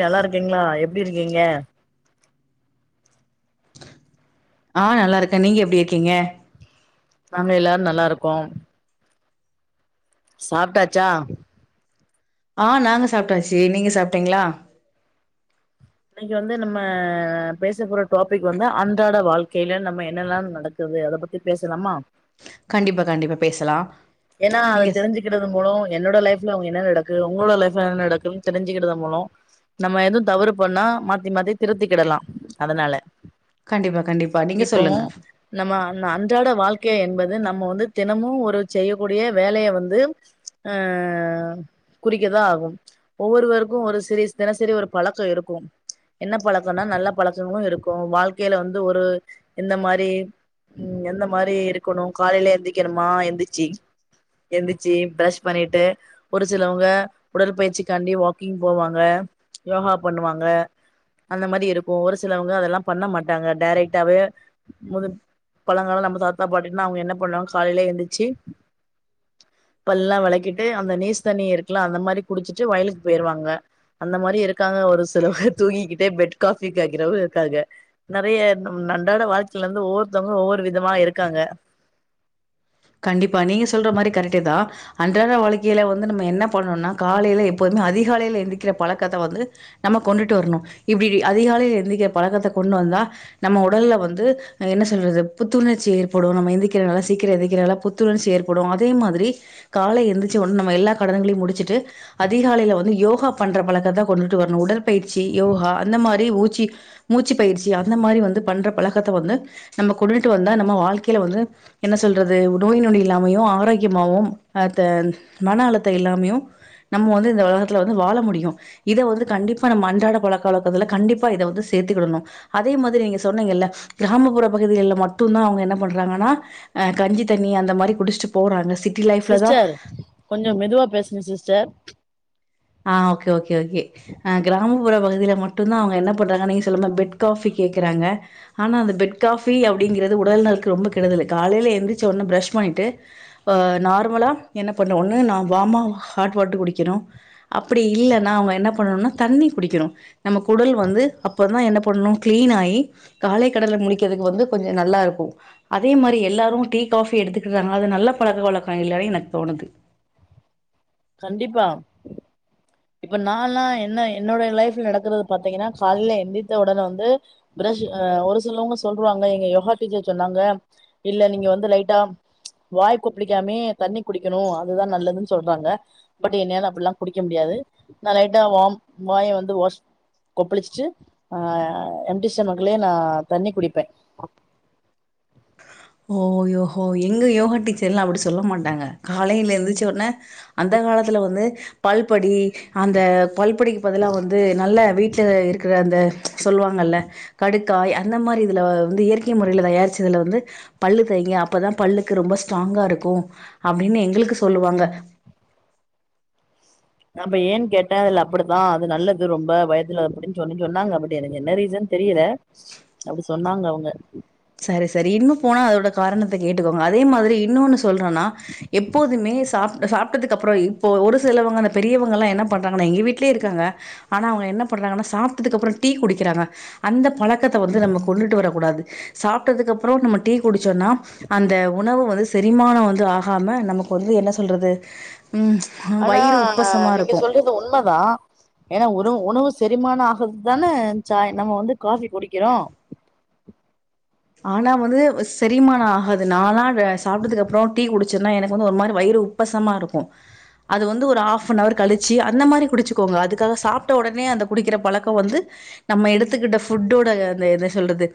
நல்லா இருக்கீங்ளா எப்டி இருக்கீங்க ஆ நல்லா இருக்கே நீங்க எப்டி இருக்கீங்க நாங்க எல்லாரு நல்லாருக்கோ சாப்ட்டாச்சா ஆ நாங்க சாப்ட்டாச்சு நீங்க சாப்பிட்டீங்ளா இன்னைக்கு வந்து நம்ம பேச போற டாபிக் வந்து அன்றாட வாழ்க்கையில நம்ம என்னெல்லா நடக் குது அத பத்தி பேசலாமா கண்டிப்பா கண்டிப்பா பேசலா நீங்க றது மூலம் என்னோட லைஃப்ல அவங்க என்ன உங்களோட லைஃப் என்ன நடக்குன்னு தெரிஞ்சுக்றது மூலம் நம்ம எதுவும் தவறு பண்ணா மாத்தி மாத்தி திருத்திக்கிடலாம் அதனால கண்டிப்பா கண்டிப்பா நீங்க இப்போ சொல்லுங்க நம்ம அ அன்றாட வாழ்க்கை என்பது நம்ம வந்து தினமும் ஒரு செய்யக்கூடிய வேலைய வந்து அ குறிக்கதா ஆகும் ஒவ்வொருவருக்கும் ஒரு சரி தினசரி ஒரு பழக்கம் இருக் என்ன பழக்கம்னா நல்ல பழக்கங்களும் இருக்கும் வாழ்க்கையில வந்து ஒரு எந்த மாதிரி உம் எந்த மாதிரி இருக்கணும் காலையில எந்திக்கணுமா எந்திச்சு எந்திரிச்சு பரஷ் பண்ணிட்டு ஒரு சிலவங்க உடற்பயிற்ச காண்டி வாக்கிங் போவாங்க யோகா பண்ணுவாங்க அந்த மாதிரி இருக்கும் ஒரு சிலவங்க அதெல்லா பண்ண மாட்டாங்க டைரெக்ட்டாவே முது பழங்காம் நம்ம தாத்தா பாட்டன்னா அவங்க என்ன பண்ணாங்க காலையே எந்திச்சு பல்லல்லா விளக்கிட்டு அந்த நீஸ் தண்ணி இருக்கலா அந்த மாதிரி குடிச்சிட்டு வயலுக்கு போயிடுவாங்க அந்த மாதிரி இருக்காங்க ஒரு சிலவு தூங்கிக்கிட்டே பெட் காபி காே்கிறவ இருக்காங்க நிறைய அன்றாட வாழ்க்கையில இருந்து ஒவ்வொருத்தவங்க ஒவ்வொரு விதமா இருக்காங்க கண்டிப்பா நீங்க சொல்ற மாதிரி கரெக்டே தா அன்றாட வாழ்கையில வந்து நம்ம என்ன பண்ணணும்னா காலையில எப்போவுதுமே அதிகாலையில எந்திரிக்கிற பழக்கத்த வந்து நம்ம கொண்டுட்டு வரணு இப்படி அதிகாலில எழுந்துக்கிற பழக்கத்த கொண்டு வந்தா நம்ம உடல்ல வந்து என்ன சொல்றது புத்துணர்ச்சி ஏற்படும் நம்ம எந்திரிக்கிற நல்லா சீக்கிரம் புத்து உணர்ச்சி ஏற்படும் அதே மாதிரி காலை எந்திரச்சு நம்ம எல்லா கடன்கையும் முடிச்சுட்டு அதிகாலையில வந்து யோகா பண்ற பழக்கத்தா கொண்டுட்டு வரணும் உடற்பயிற்சி யோகா அந்த மாதிரி ஊச்சி மூச்சு பயிற்சி அந்த மாதிரி வந்து பண்ற பழக்கத்த வந்து நம்ம கொண்டுட்டு வந்தா நம்ம வாழ்க்கையில வந்து என்ன சொல் து நோய் நொடி இல்லாமையு ஆரோக்கியமாவும் அ மன அழுத்த இல்லாமையும் நம்ம வந்து இந்த உலகத்தில் வந்து வாழ முடியும் இத வந்து கண்டிப்பா நம்ம அன்றாட பழக்காலக்கத்துல கண்டிப்பா இத வந்து சேர்த்துக்கிடணும் அதே மாதிரி நீங்க சொன்னீங்க இல்ல கிராமப்புற பகுதிகள்ல மட்டும்தா அவங்க என்ன பண்றாங்கன்னா அ கஞ்சி தண்ணி அந்த மாதிரி குடிச்சிட்டு போறாங்க சிட்டி லைஃப்ல தா கொஞ்சம் மெதுவா பேசுனும் சிஸ்டர் ஆ ஓகே ஓகே ஓகே ஆ கிராம ப்புற பகுதியில மட்டு தா அவங்க என் பண்றாங்க நீங்க சொல்ர மாரி பெட் காபி கேக்குறாங்க ஆனா அந்த பெட் காஃபி அப்டிங்கிறது உடல் நலக்கு ரொம்ப கெடுதல்லு காலையில எந்திரச்ச உடனே ப்ரஷ் பண்ணிட்டு ப்ப நார்மலா என்ன பண்ணுவோன்னு நா வாமா ஹாட் வாட்டரு குடிக்கணு அப்டி இல்லனா அவங்க என்ன பண்ணணுனா தண்ணி குடிக்கணு நம்ம குடல் வந்து அப்பதா என்ன பண்ணு க்ளீன் ஆயி காலை கடல முடிக்கிறதுக்கு வந்து கொஞ்சோ நல்லா இருக்கு அதே மாரி எல்லாரு டீ காஃபி எடுத்துக்குறாங்க அது நல்ல பழக்க வழக்கோ இல்லனே எனக்கு தோணுது கண்டிப்பா இப்ப நான்ல்லா என்ன என்னோடைய லைஃப்ல நடக்கறது பாத்தீங்கன்னா கால்ல எந்தித்த உடனே வந்து ப்ரஷ் அ ஒரு சிலவங்க சொல்வாங்க எங்க யோகா டீகே சொன்னாங்க இல்ல நீங்க வந்து லைட்டா வாய் கொப்லிகாமே தண்ணி குடிக்கணு அதுதா நல்லதுன் சொல்றாங்க பட் என்னால அப்டிலா குடிக்க முடியாது நா லைட்டா வாம் வாய வந்து வாஷ் கொப்ளிச்ட்டு ஆ எம்டி ஸ்டோமக்லே நா தண்ணி குடிப்பே ஓயோஹோ எங்க யோகா டீச்சர்ல்லா அப்டி சொல்ல மாட்டாங்க காலைல எந்திரிச்ச உடனே அந்த காலத்ல வந்து பல்படி அந்த பல் பொடிக்கு பதிலா வந்து நல்ல வீட்ல இருக்கற அந்த சொல்வாங்கல்ல கடுக்காய் அந்த மாரி இதுல வந்து இயற்கை முறைல தயாரிச்சதுல வந்து பல்லு தேய்ங்க அப்பதா பல்லுக்கு ரொம்ப ஸ்ட்ராங்கா இருக்கு அப்டின்னு எங்களுக்கு சொல்லுவாங்க அப்ப ஏன் கேட்டே அதுல அப்டித்தா அது நல்லது ரொம்ப வயதுல அப்டின் சொல்லி சொன்னாங்க அப்டி எனக்கு என்ன ரீசன் தெரில அப்டி சொன்னாங்க அவங்க செரி செரி இன்னு போனா அதோட காரணத்த கேட்டுக்கோங்க அதே மாதிரி இன்னொன்னு சொல்றன்னா எப்போதுமே சாப்ட சாப்ட்டதுக்கு அப்ரோ இப்போ ஒரு சிலவங்க அந்த பெரியவங்கல்லா என்ன பண்றாங்கன்னா எங்க வீட்லயே இருக்காங்க ஆனா அவங்க என்ன பண்றாங்கன்னா சாப்ட்டதுக்கு அப்றம் டீ குடிக்கிறாங்க அந்த பழக்கத்த வந்து நம்ம கொண்டுட்டு வரக்கூடாது சாப்ட்டதுக்கு அப்ரோ நம்ம டீ குடிச்சோன்னா அந்த உணவு வந்து செரிமானம் வந்து ஆகாம நமக்கு வந்து என்ன சொல்றது ம் அ வயிறு உப்பசமா இருக்கு து உண்மதா ஏன்னா உறவு உணவு செரிமானோ ஆகுறதுக்கு தான சாய் நம்ம வந்து குடிக்கிறோ ஆனா வந்து செரிமானோ ஆகாது நானா அத சாப்ட்டதுக்கு அப்புறம் டீ குடிச்சேன்னா எனக்கு வந்து ஒரு மாரி வயிறு உப் உப்பசமா இருக்கு அது வந்து ஒரு ஹாஃப்னவர் கழிச்சி அந்த மாரி குடிச்சிக்கோங்க அதுக்காக சாப்ட்ட உடனே அந்த குடிக்கிற பழக்க வந்து நம்ம எடுத்துக்கிட்ட ஃபுட்டோட அந்த என்ன சொல்றது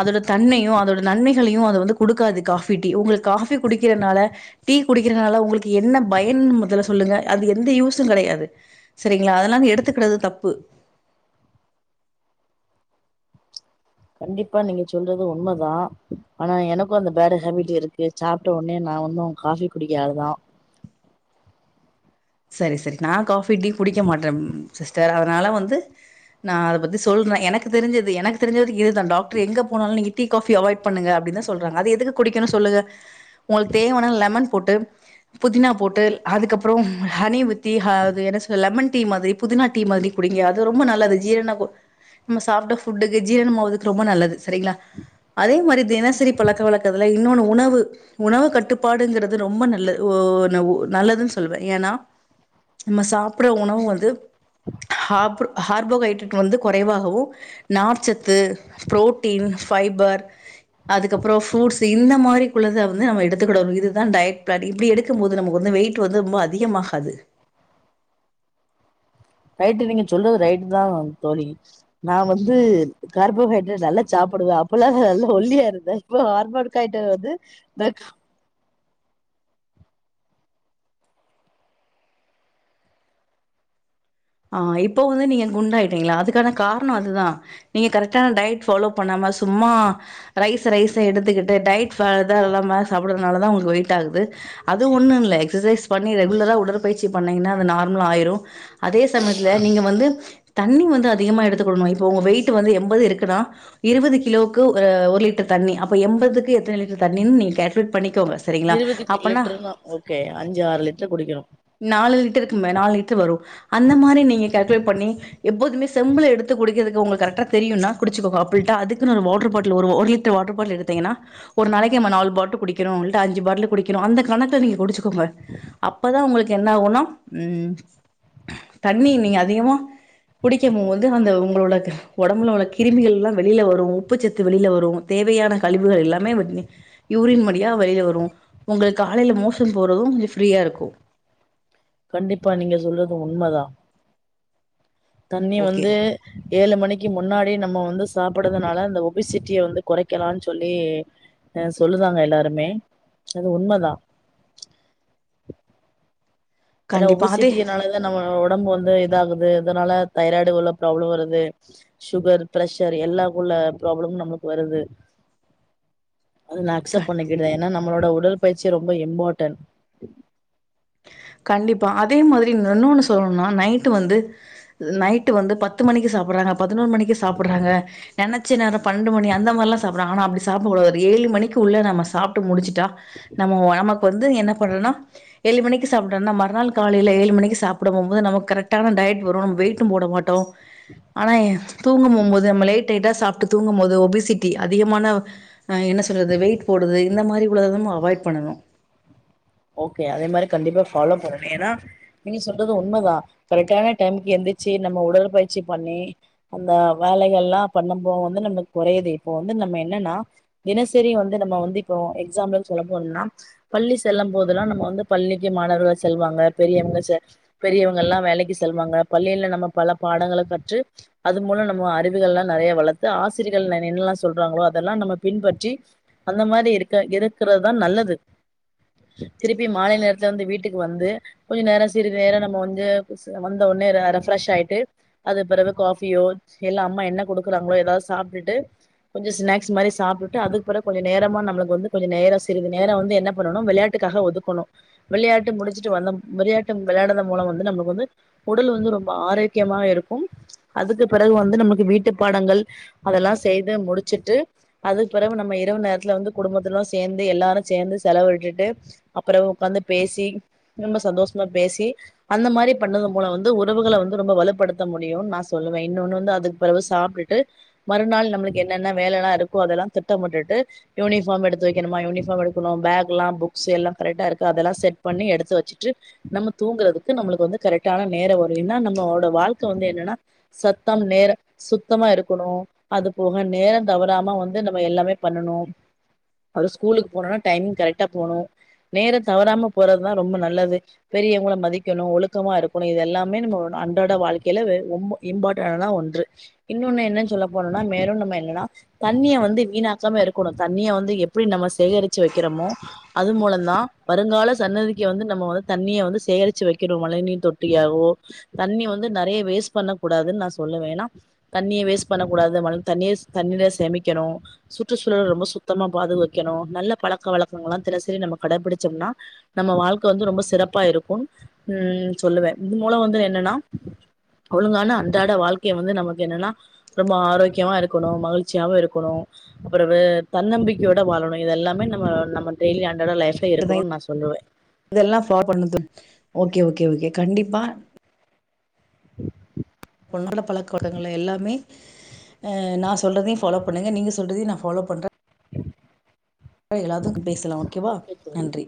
அதோட தன்மையும் அதோட நன்மைகளையு அது வந்து குடுக்காது காஃபி டீ உங்ளுக்கு காஃபி குடிக்கிறதுனால டீ குடிக்கிறனால உங்ளுக்கு என்ன பயன் முதல்ல சொல்லுங்க அது எந்த யூசும் கிடையாது செரிங்ளா அதனால எடுத்துக்குறது தப்பு கண்டிப்பா நீங்க சொல்றது உண்மதா ஆனா எனக்கு அந்த பேட் ஹேபிட் இருக்கு சாப்டவுனே நா ஒன்னு காஃபி குடிக்ற ஆலுதா செரி செரி நா காஃபி டி குடிக்க மாட்டேம் சிஸ்டர் அதனால வந்து நா அத பத்தி சொல்றே எனக்கு தெரிஞ்சது எனக்கு தெரிஞ்சவரைக்கு இதுதா டாக்டர் எங்க போனாலு நீங்க டீ காஃபி அவாய்ட் பண்ணுங்க அப்டின் தா சொல்றாங்க அது எதுக்கு குடிக்கனு சொல்லுங்க உங்ளுக்கு தேவனா லெமன் போட்டு புதினா போட்டு அதிகப்புரோ ஹனிவித் டீ ஹா அது என்ன சொல்ல லெமன் டீ மாதிரி புதினா டீ மாதிரி குடிங்க அது ரொம்ப நல்லது ஜீரண கோ நம்ம சாப்ட்ட ஃபுட்டுக்கு ஜீரணமாவுதுக்கு ரொம்ப நல்லது செரிங்ளா அதே மாரி தினசரி பழக்க வழக்கத்துல இன்னொன்னு உணவு உணவு கட்டுப்பாடுங்கிறது ரொம்ப நல்ல ஓ ந ஒ நல்லதுன் சொல்வே ஏனா நம்ம சாப்பர்ற உணவு வந்து ஹாப்டு ஹார்போஹைட்ரட் வந்து குறைவாகவு நார்ச்சத்து புரோட்டீன் ஃபைபர் அதுக்கப்றோ ஃப்ரூட்ஸு இந்த மாரி குள்ளத வந்து நம்ம எடுத்துக்கிடணு இதுதா டயட் பிளானு இப்டி எடு க்கும் போது நமக்கு வந்து வெயிட்டு வந்து ரொம்ப அதிகமாகாது ரைட்டு நீங்க சொல்றது ரைட் தா தோழி நா வந்து கார்போஹைட்ரட் நல்லா சாப்புடுவ அப்பல்லா நல்லா ஒல்லியா இருந்தே இப்ப ஹார்போர்ட்ஹைட்டட் வந்து தட் ஆ இப்போ வந்து நீங்க குண்டாயிட்டீங்களா அதுக்கான கார்ணோ அதுதா நீங்க கரெக்டான டயட் ஃப்பாலோ பண்ணாம சும்மா ரைஸ் ரைஸ் எடுத்துக்கிட்டு டயட் இது இல்லாம சாப்பட்றதுனால தா ஒங்களுக்கு வெயிட் ஆகுது அது ஒண்ணும் இல்ல எக்ஸசைஸ் பண்ணி ரெகுலரா உடற்பயிற்சி பண்ணீங்கன்னா அது நார்மலா ஆயிரு அதே சமயத்துல நீங்க வந்து தண்ணி வந்து அதிகமா எடுத்துக்கிடணு இப்போ ஒங்க வெயிட் வந்து எம்பது இருக்குன்னா இருவது கிலோக்கு ஒரு ஒரு லிட்டர் தண்ணி அப்ப எம்பதுக்கு எத்தன லிட்டர் தண்ணீன் நீங்க கேல்குலேட் பண்ணிக்கோங்க சரிங்களா எழுவதுக்கு அப்பன்னா லிட்ரு தா ஓகே அஞ்சி ஆறு லிட்டர் குடிக்ணு நாலு லிட்டருக்கு மேல நாலு லிட்டர் வரு அந்த மாரி நீங்க கேல்குலேட் பண்ணி எப்போதுமே செம்பிள எடுத்து குடுக்கிறதுக்கு ஒங்ளுக் கரெக்ட்டா தெரியுனா குடிச்சிகோங்க அப்பிள்ட்டா அதுக்குனு ஒரு வாட்ரு பாட்லு ஒரு ஒரு ஒரு வாட்ரு பாட்டில் எடுத்தீங்கன்னா ஒரு நாளைக்கு நம்ம நாலு பாட்லு குடிக்குணு இல்லாட்டி அஞ்சி பாட்லு குடிக்கணு அந்த கணக்குல நீங்க குடிச்சுக்கோங்க அப்பதா ஒங்களுக்கு என்ன ஆகுனா ம் தண்ணி நீங்க அதிகமா குடிக்கம் போது அந்த ஒங்களோட ஒடம்புல உள்ள கிருமிகள்லா வெளில வரு உப்பு சத்து வெளில வரு தேவையான கழிவுகள் எல்லாமே வருமே யூரின் மடியா வெளில வரு ஒங்களுக்கு காலைல மோஷன் போறது கொஞ்ச ஃப்ரீயா இருக்கு கண்டிப்பா நீங்க சொல்றது உண்மதா தண்ணி ஓகே வந்து ஏழு மணிக்கு முன்னாடியே நம்ம வந்து சாப்படுதுனால அந்த ஒபிசிட்டிய வந்து கொறைக்கலானு சொல்லி ஆ சொல்லுதாங்க எல்லாருமே அது உண்ம தா ஏனா கண்டிப்பா அதே ஒபிசிட்டியினால தா நம்ம ஒடம்பு வந்து இதாகுது இதனால தைராய்டு உள்ள ப்ராப்ளம் வருது சுகர் பிரஷர் எல்லாக்குள்ள ப்ராப்ளமும் நம்மளுக்கு வருது அது நா க அக்செப்ட் பண்ணிக்கிறே ஏனா நம்மளோட உடற்பயிற்சி ரொம்ப இம்பார்டென் கண்டிப்பா அதே மாதிரி இன்னொன்னு சொல்ணுனா நைட்டு வந்து நைட்டு வந்து பத்து மணிக்கு சாப்பறாங்க பதினொரு மணிக்கு சாப்பறாங்க நெனச்ச நேர பண்ணென்டு மணி அந்த மாரிலா சாப்பற்றாங்க ஆனா அப்டி சாப்டகூடாது ஒரு ஏழு மணிக்கு உள்ள நம்ம சாப்ட்டு முடிச்சிட்டா நம்ம நமக்கு வந்து என்ன பண்றனா ஏழு மணிக்கு சாப்ட்டன மறுநாள் காலைல ஏழு மணிக்கு சாப்ட போம்போது நமக்கு கரெக்டான டயட் வரு வெய்டு போடமாட்டோ ஆனா எ தூங்கும்போம்போது நம்ம லேட்லைட்டா சாப்ட்டு தூங்கும் போது ஒபிசிட்டி அதிகமான அ என்ன சொல்றது வெயிட் போடுது இந்த மாரி உள்ளதெல்லா நம்ம அவாய்ட் பண்ணனு ஓகே அதே மாதிரி கண்டிப்பா ஃபாலோ பண்ணனு ஏனா நீங்க சொல்றது உண்ம தா கரெக்டான டைமுக்கு எந்திரிச்சி நம்ம உடல்பயிற்சி பண்ணி அந்த வேலைகள்லா பண்ணும்போ நமக்கு கொறையுது இப்போ வந்து நம்ம என்னன்னா தினசரி வந்து நம்ம வந்து இப்ப எக்ஸாம்பிள் சொல்ல போனம்னா பல்ஸ் செல்ல போதெல்லா நம்ம வந்து பள்ளிக்கு மாணவர்கள் செல்வாங்க பெரியவங்க பெரியவங்க எல்லா வேலக்கி செல்வாங்க பள்ளில நம்ம பல பாடங்கள கற்று அது மூல நம்ம அறிவுகள்லா நெறையா வளத்து ஆசிரியர்கள் என்னெல்லா சொல்றாங்களோ அதெல்லா நம்ம பின்பற்றி அந்த மாரி இருக்க இருக்கறதுதா நல்லது திருப்பி மாலை நேரத்துல வந்து வீட்டுக்கு வந்து கொஞ்சம் நேரம் சிறிது நேரம் வந்து வந்த ஒடனே ரெப்ஃப்ரெஷ் ஆய்ட்டு அது பிறகு காஃபியோ இல்லா அம்மா என்ன குடுக்குறாங்களோ ஏதாவது சாப்ட்டுட்டு கொஞ்ச ஸ்நாக்ஸ் மாரி சாப்ட்டு அதுக்குப்பிறகு கொஞ்ச நேரமா நம்மளுக்கு வந்து கொஞ்ச நேரம் சிறிது நேரம் வந்து என்ன பண்ணனு வெளையாட் டுக்காக ஒதுக்கணும் விளையாட்டு முடிச்சுட்டு வந்த விளையாட்டு விளையாடுத மூலம் வந்து நமக்கு வந்து உடல் வந்து ரொம்ப ஆரோக்கியமாக இருக்கும் அதுக்கு பிறகு வந்து நமக்கு வீட்டு பாடங்கள் அதெல்லா செய்து முடிச்சுட்டு அதுக்கு பிறகு நம்ம இரவு நேரத்துல வந்து குடும்பத்துல சேந்து எல்லாரும் சேந்து செலவு விட்டுட்டு அப்புறம் உக்காந்து பேசி ரொம்ப சந்தோஷமா பேசி அந்த மாரி பண்ணது மூலம் வந்து உறவுகளை வந்து ரொம்ப வலுப்படுத்த முடியும்னு நா சொல்லுவே இன்னொன்னு வந்து அது பெறவு சாப்ட்டுட்டு மறுநாள் நம்மளுக்கு என்னென்ன வேல எல்லா இருக்கோ அதெல்லா திட்டமிட்டுட்டு யுவுனிஃபாம் எடுத்து வெக்கனுமா யுவுனிஃபாம் எடுக்கனு பேக்எல்லா புக் செல்லா கரெக்டா இருக்கா அதெல்லா செட் பண்ணி எடுத்து வச்சுட்டு நம்ம தூங்றதுக்கு நம்மளுக்கு வந்து கரெக்டான நேரம் வரும் ஏன்னா நம்மளோட வாழ்க்க வந்து என்னன்னா சத்தம் நேரம் சுத்தமா இருக்கணும் அது போக நேரம் தவறாம வந்து நம்ம எல்லாமே பண்ணணும் அது ஸ்கூலுக்கு போனோனா டைமிங் கரெக்டா போணும் நேர தவறாம போறதுதா ரொம்ப நல்லது பெரியவங்கள மதிக்கணும் ஒழுக்கமா இருக்கணும் இது எல்லாமே நம்ம அன்றாட வாழ்க்கையில வே ரொம்ப இம்பார்ட்டான ஒன்று இன்னொன்னு என்ன சொல்ல போனம்னா மேலும் நம்ம என்னன்னா தண்ணிய வந்து வீணாக்காம இருக்கணும் தண்ணிய வந்து எப்டி நம்ம சேகரிச்சு வைக்கிறோமோ அது மூலம்தா வருங்கால சன்னதிக்கு வந்து நம்ம வந்து தண்ணியவந்து சேகரிச்சு வைக்கனு மழைநீர் தொட்டியாகவோ தண்ணிய வந்து நெறைய வேஸ்ட் பண்ண கூடாதுன்னு நா சொல்லுவே ஏன்னா தண்ணிய வேஸ்ட் பண்ணக் கூடாது மழ தண்ணிஸ் தண்ணியில சேமிக்கணும் சுற்றுச்சூழல ரொம்ப சுத்தமா பாதுவைக்கணும் நல்ல பழக்கவழக்கங்கள் எல்லா தினசரி நம்ம கடைபிடிச்சோம்னா நம்ம வாழ்க்க வந்து ரொம்ப சிறப்பா இருக்கும்னு ம் சொல்லுவே இது மூலம் வந்து என்னன்னா ஒழுங்கான அன்றாட வாழ்க்கையை வந்து நமக்கு என்னன்னா ரொம்ப ஆரோக்கியமா இருக்கணும் மகிழ்ச்சியாவும் இருக்கணும் அப்புற வு தன்னம்பிக்கையோட வாழணும் இதெல்லாமே நம்ம நம்ம டெல்லி அண்டாட லைஃப்ல இருக்கணும்னு நா சொல்வேன் இதெல்லாம் பார் பண்ணுது ஓகே ஓகே ஓகே கண்டிப்பா [inaudible] பொன்னாட பழக்கவழ கங்கள் எல்லாமே நான் சொல்றதையும் பாலோ பண்ணுங்க நீங்க சொல்றதையும் நான் பாலோ பண்ணறேன் ம் [unintelligible] பேசலாம் ஓகே வா தோழி நன்றி